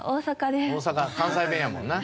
大阪関西弁やもんな。